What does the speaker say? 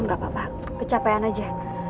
nggak apa apa kecapean aja